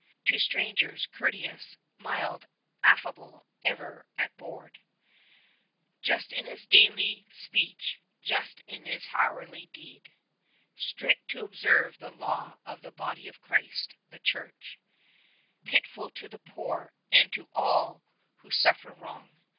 To strangers courteous, mild, affable ever at board, Just in his daily speech, just in his hourly deed, Strict to observe the law of the Body of Christ, the Church, Pitiful to the poor and to all who suffer wrong.